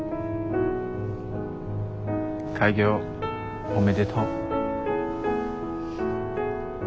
開業おめでとう。